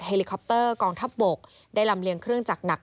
ลิคอปเตอร์กองทัพบกได้ลำเลียงเครื่องจักรหนัก